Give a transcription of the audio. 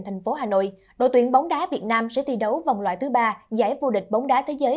thành phố hà nội đội tuyển bóng đá việt nam sẽ thi đấu vòng loại thứ ba giải vô địch bóng đá thế giới